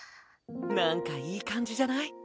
なんかいい感じじゃない？